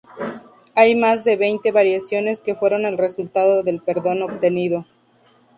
Hay más de veinte variaciones que fueron el resultado del perdón obtenido.